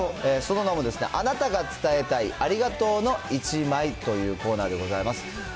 その名も、あなたが伝えたいありがとうの１枚というコーナーでございます。